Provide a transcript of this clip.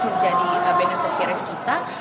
menjadi beneficiaries kita